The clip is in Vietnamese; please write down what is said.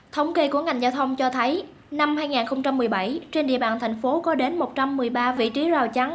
thống kê của ngành giao thông cho thấy năm hai nghìn một mươi bảy trên địa bàn thành phố có đến một trăm một mươi ba vị trí rào chắn